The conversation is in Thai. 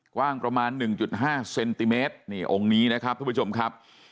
กว้างประมาณ๑๕เซนติเมตรนี่องค์นี้นะครับทุกผู้ชมครับ